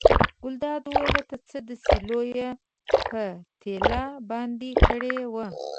ګلداد وویل تا څه داسې لویه پتیله باندې کړې وه.